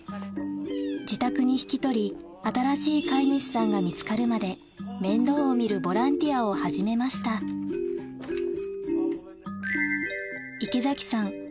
自宅に引き取り新しい飼い主さんが見つかるまで面倒を見るボランティアを始めました池崎さん